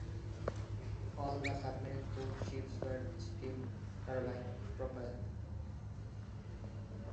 All the Submarine Boat ships were steam turbine propelled.